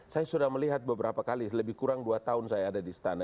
saya sudah melihat beberapa kali lebih kurang dua tahun saya ada di istana